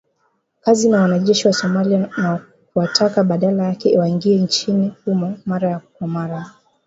kazi na wanajeshi wa Somalia na kuwataka badala yake waingie nchini humo mara kwa mara